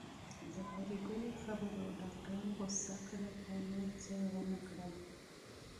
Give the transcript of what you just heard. د پري ګلې خبرو ډاکټران غوسه کړل او نور څه يې ونکړل